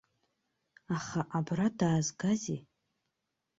Аха абра даазгазеи?